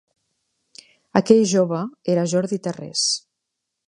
Aquell jove era Jordi Tarrés.